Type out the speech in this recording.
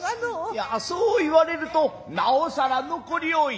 いやそう言われると猶更残り多い。